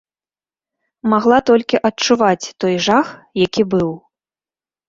Магла толькі адчуваць той жах, які быў.